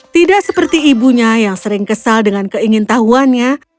tidak seperti ibunya yang sering kesal dengan keingin tahuannya